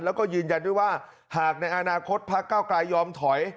แล้วก็ยืนยันด้วยว่าหากในอนาคตพักเก้าไกลยอมถอย